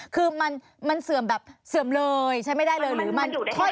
คือมันเสื่อมแบบเสื่อมเลยใช้ไม่ได้เลยหรือมันค่อย